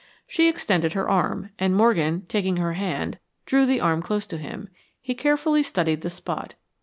She extended her arm, and Morgan, taking her hand, drew the arm close to him. He carefully studied the spot.